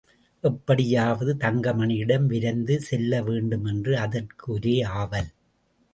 எப்படியாவது தங்கமணியிடம் விரைந்து செல்ல வேண்டுமென்று அதற்கு ஒரே ஆவல்.